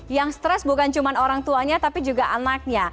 yang stres bukan cuma orang tuanya tapi juga anaknya